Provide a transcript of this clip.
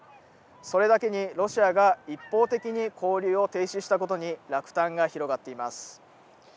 それだけにロシアが一方的に交流を停止したことに、落胆が広がっています。